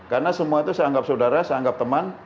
karena semua itu saya anggap saudara saya anggap teman